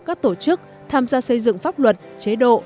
các tổ chức tham gia xây dựng pháp luật chế độ